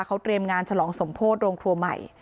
เขาเตรียมงานฉลองสมโพธิโรงครัวใหม่